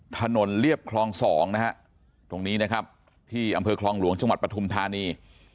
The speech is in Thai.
ถนนเรียบคลอง๒นะฮะตรงนี้นะครับที่อำเภอคลองหลวงจังหวัดปฐุมธานี